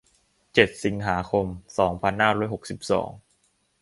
เจ็ด สิงหาคม สองพันห้าร้อยหกสิบสอง